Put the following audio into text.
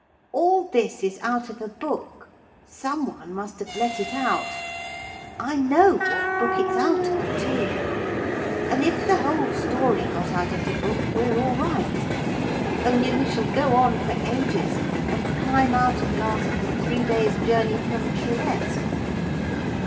All this is out of a book. Some one must have let it out. I know what book it's out of too. And if the whole story got out of the book we're all right. Only we shall go on for ages and climb out at last, three days' journey from Trieste.'